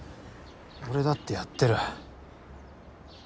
俺だってやってる。